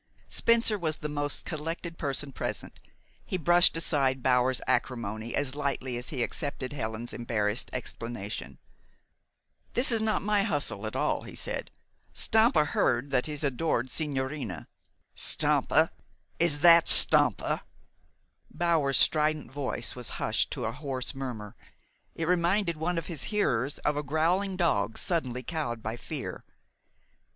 Spencer was the most collected person present. He brushed aside Bower's acrimony as lightly as he had accepted Helen's embarrassed explanation. "This is not my hustle at all," he said. "Stampa heard that his adored sigñorina " "Stampa! Is that Stampa?" Bower's strident voice was hushed to a hoarse murmur. It reminded one of his hearers of a growling dog suddenly cowed by fear.